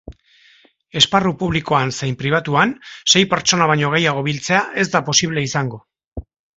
Esparru publikoan zein pribatuan sei pertsona baino gehiago biltzea ez da posible izango.